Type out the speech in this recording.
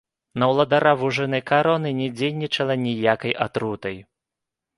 На ўладара вужынай кароны не дзейнічала ніякай атрута.